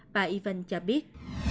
và yvonne cho biết